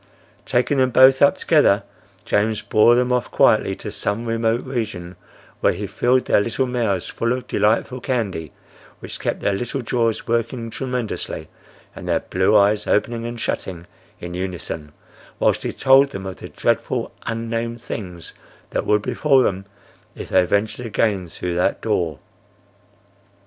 Taking them both up together, James bore them off quietly to some remote region where he filled their little mouths full of delightful candy which kept their little jaws working tremendously and their blue eyes opening and shutting in unison, whilst he told them of the dreadful unnamed things that would befall them if they ventured again through that door.